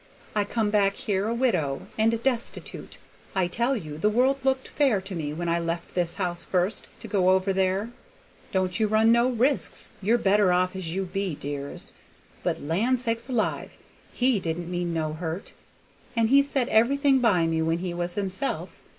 "I come back here a widow and destitute, and I tell you the world looked fair to me when I left this house first to go over there. Don't you run no risks, you're better off as you be, dears. But land sakes alive, 'he' didn't mean no hurt! and he set everything by me when he was himself.